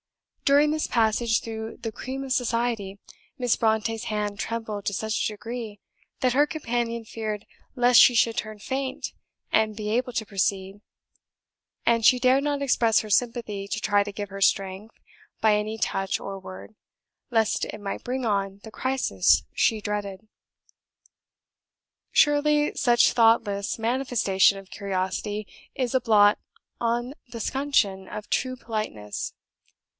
During this passage through the "cream of society," Miss Brontë's hand trembled to such a degree, that her companion feared lest she should turn faint and be unable to proceed; and she dared not express her sympathy or try to give her strength by any touch or word, lest it might bring on the crisis she dreaded. Surely, such thoughtless manifestation of curiosity is a blot on the scutcheon of true politeness!